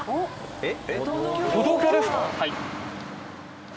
えっ？